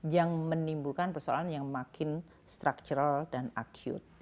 yang menimbulkan persoalan yang makin structural dan acture